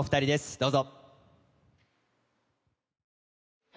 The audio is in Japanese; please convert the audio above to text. どうぞ。